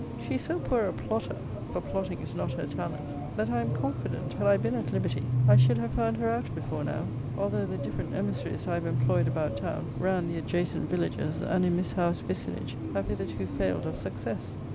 She is so poor a plotter, (for plotting is not her talent,) that I am confident, had I been at liberty, I should have found her out before now; although the different emissaries I have employed about town, round the adjacent villages, and in Miss Howe's vicinage, have hitherto failed of success.